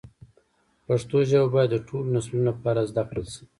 پښتو ژبه باید د ټولو نسلونو لپاره زده کړل شي.